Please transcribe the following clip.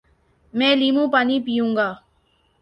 میں لیموں پانی پیوں گا